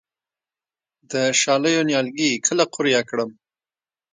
د شالیو نیالګي کله قوریه کړم؟